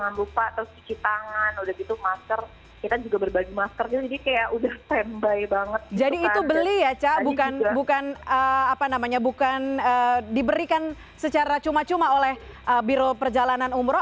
apa namanya bukan diberikan secara cuma cuma oleh biro perjalanan umroh